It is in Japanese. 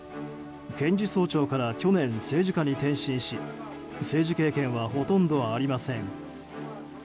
検事総長から去年、政治家に転身し政治経験はほとんどありません。